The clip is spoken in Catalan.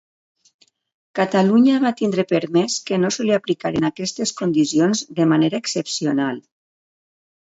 Catalunya va tindre permés que no se li aplicaren aquestes condicions de manera excepcional.